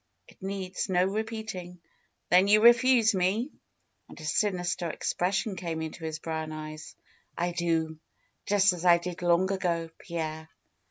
It needs no repeating." '^Then you refuse me?" And a sinister expression came into his brown eyes. do; just as I did long ago, Pierre."